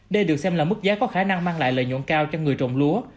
đây được xem là mức giá có khả năng mang lại lợi nhuận cao cho người trồng lúa